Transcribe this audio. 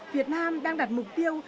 việt nam đang đặt mục tiêu